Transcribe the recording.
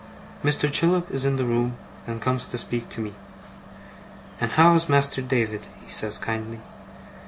Mr. Chillip is in the room, and comes to speak to me. 'And how is Master David?' he says, kindly.